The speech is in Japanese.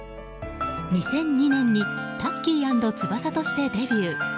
２００２年にタッキー＆翼としてデビュー。